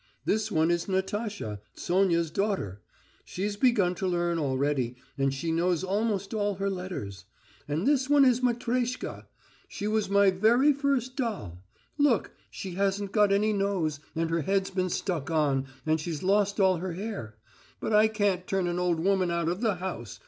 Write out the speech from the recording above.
This one is Natasha, Sonya's daughter. She's begun to learn already, and she knows almost all her letters. And this one is Matreshka. She was my very first doll. Look, she hasn't got any nose and her head's been stuck on, and she's lost all her hair. But I can't turn an old woman out of the house.